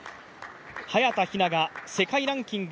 早田ひなが世界ランキング